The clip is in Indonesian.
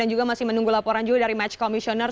dan juga masih menunggu laporan juga dari match commissioner